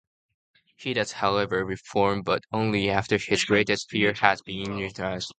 He does, however, reform-but only after his greatest fear has been realized.